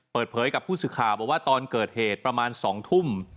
เปิดเผยกับผู้สื่อข่าวบอกว่าตอนเกิดเหตุประมาณ๒ทุ่ม